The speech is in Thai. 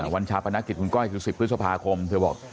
ชาปนกิจคุณก้อยคือ๑๐พฤษภาคมเธอบอก